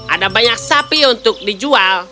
ada banyak sapi untuk dijual